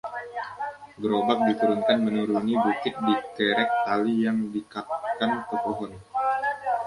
Gerobak diturunkan menuruni bukit dikerek tali yang diikatkan ke pohon.